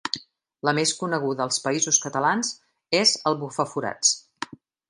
La més coneguda als Països Catalans és el bufaforats.